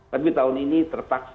tapi tahun ini tertakstik